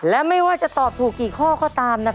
และไม่ว่าจะตอบถูกกี่ข้อก็ตาม